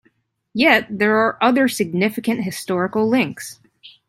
Yet there are other significant historical links.